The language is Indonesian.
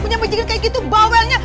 menyampe jikin kayak gitu bawelnya